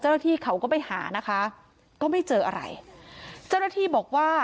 เจ้าหน้าที่เขาก็ไปหานะคะก็ไม่เจออะไรเจ้าหน้าที่บอกว่า